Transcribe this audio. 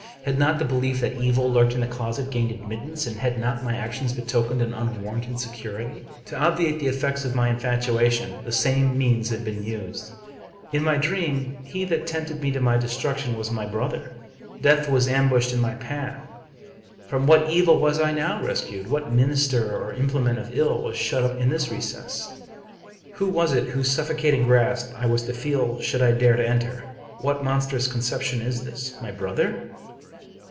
Had not the belief that evil lurked in the closet gained admittance, and had not my actions betokened an unwarrantable security? To obviate the effects of my infatuation, the same means had been used. In my dream, he that tempted me to my destruction was mv brother. Death was ambushed in my path. From what evil was I now rescued? What minister or implement of ill was shut up in this recess ? Who was it whose suffocating grasp I was to feel should I dare to enter it? What mon strous conception is this? My brother?